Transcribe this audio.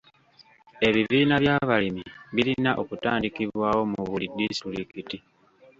Ebibiina by'abalimi birina okutandikibwawo mu buli disitulikiti.